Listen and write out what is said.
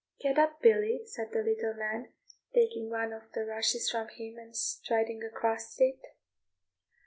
"Get up, Billy," said the little man, taking one of the rushes from him and striding across it.